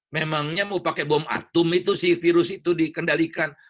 memangnya mau pakai bom atum itu si virus itu dikendalikan